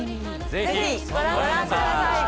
ぜひご覧ください！